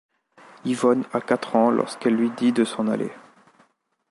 Yvonne a quatre ans lorsqu'elle lui dit de s'en aller.